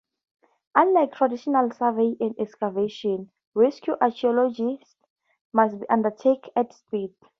Unlike traditional survey and excavation, rescue archaeology must be undertaken at speed.